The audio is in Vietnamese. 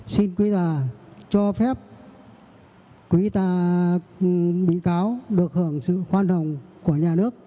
xin quý tà cho phép quý tà bị cáo được hưởng sự hoa hồng của nhà nước